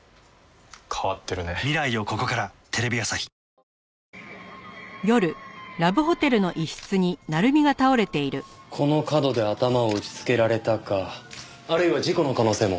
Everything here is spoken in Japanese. ニトリこの角で頭を打ちつけられたかあるいは事故の可能性も。